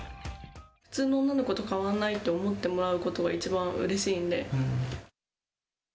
普通の女の子と変わらないと思ってもらえることが一番うれしいんで。